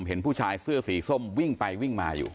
เห็นผู้ชายเสื้อสีส้มวิ่งไปวิ่งมาอยู่